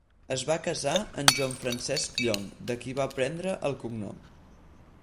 Es va casar amb Joan Francesc Llong, de qui va prendre el cognom.